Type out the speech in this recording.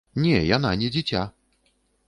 Не, яна не дзіця.